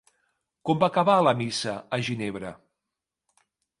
Com va acabar la Missa a Ginebra?